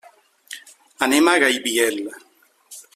Anem a Gaibiel.